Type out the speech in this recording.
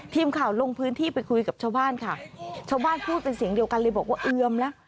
ทีมข่าวลงพื้นที่ไปคุยกับชาวบ้านค่ะชาวบ้านพูดเป็นเสียงเดียวกันเลยบอกว่าเอือมแล้ว